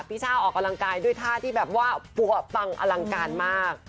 ช่าออกกำลังกายด้วยท่าที่แบบว่าปัวปังอลังการมาก